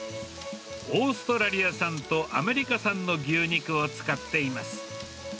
オーストラリア産とアメリカ産の牛肉を使っています。